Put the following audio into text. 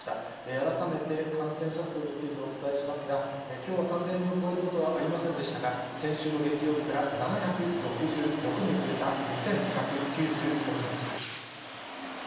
改めて、感染者数についてお伝えしますが、きょうは３０００人を超えることはありませんでしたが、先週の月曜日から７６６人増えた２１９５人でした。